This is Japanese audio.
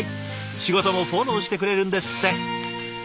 仕事もフォローしてくれるんですって。